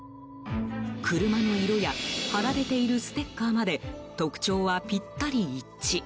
車の色や貼られているステッカーまで特徴は、ぴったり一致。